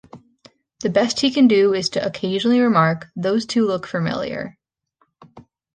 The best he can do is to occasionally remark, Those two look familiar!